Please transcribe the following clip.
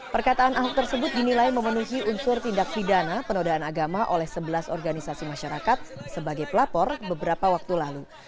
perkataan ahok tersebut dinilai memenuhi unsur tindak pidana penodaan agama oleh sebelas organisasi masyarakat sebagai pelapor beberapa waktu lalu